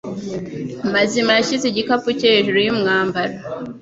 Mazima yashyize igikapu cye hejuru yumwambaro.